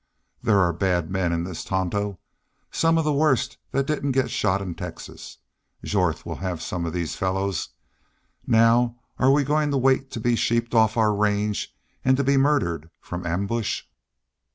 There are bad men in this Tonto some of the worst that didn't get shot in Texas. Jorth will have some of these fellows.... Now, are we goin' to wait to be sheeped off our range an' to be murdered from ambush?"